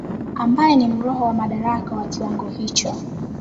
ambaye ni mroho wa madaraka wa kiwango hicho